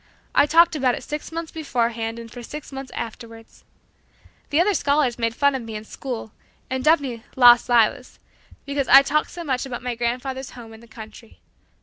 I talked about it six months beforehand and for six months afterward. The other scholars made fun of me in school, and dubbed me "Las Lilas" because I talked so much about my grandfather's home in the country.